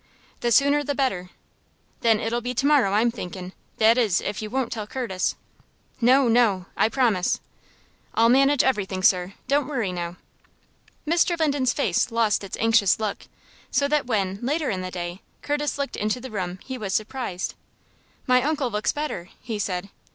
"The sooner the better." "Then it'll be to morrow, I'm thinkin', that is if you won't tell Curtis." "No, no; I promise." "I'll manage everything, sir. Don't worry now." Mr. Linden's face lost its anxious look so that when, later in the day, Curtis looked into the room he was surprised. "My uncle looks better," he said.